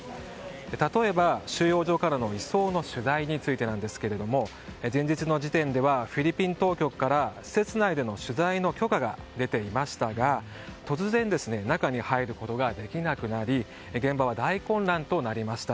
例えば収容所からの移送の取材についてなんですが前日の時点ではフィリピン当局から施設内での取材の許可が出ていましたが突然、中に入ることができなくなり現場は大混乱となりました。